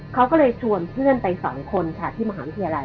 เขาก็เลยชวนเพื่อนไปสองคนค่ะที่มหาวิทยาลัย